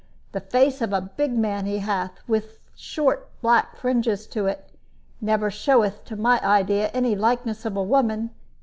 The face of a big man he hath, with short black fringes to it. Never showeth to my idea any likeliness of a woman.